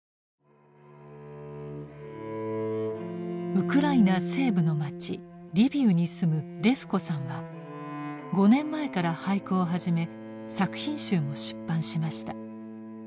ウクライナ西部の町リビウに住むレフコさんは５年前から俳句を始め作品集も出版しました。